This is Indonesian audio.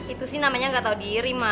itu sih namanya gak tau diri ma